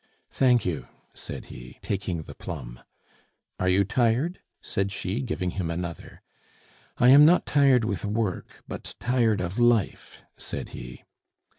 "Thank you," said he, taking the plum. "Are you tired?" said she, giving him another. "I am not tired with work, but tired of life," said he.